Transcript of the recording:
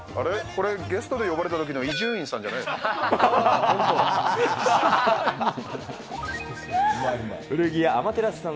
これ、ゲストで呼ばれたときの伊集院さんじゃないですか。